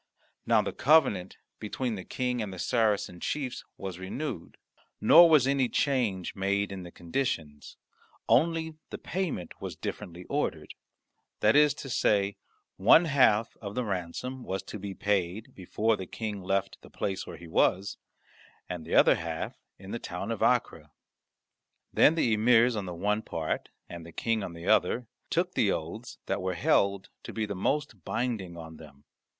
Now the covenant between the King and the Saracen chiefs was renewed, nor was any change made in the conditions; only the payment was differently ordered; that is to say, one half of the ransom was to be paid before the King left the place where he was, and the other half in the town of Acre. Then the emirs on the one part and the King on the other took the oaths that were held to be the most binding on them.